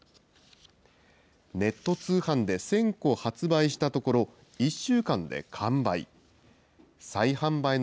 ネット通販で１０００個発売したところ、１週間で完売。